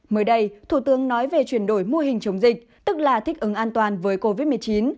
mới đây thủ tướng nói về chuyển đổi mô hình chống dịch tức là thích ứng an toàn với covid một mươi chín